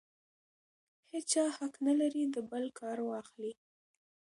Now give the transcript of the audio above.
هېچا حق نه لري د بل کار واخلي.